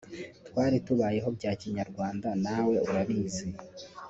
twari tubayeho bya Kinyarwanda na we urabizi